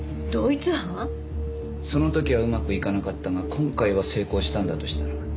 その時はうまくいかなかったが今回は成功したんだとしたら？